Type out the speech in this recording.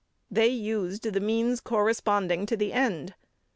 They used the means corresponding to the end.